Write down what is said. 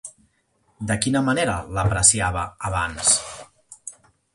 De quina manera l'apreciava, abans?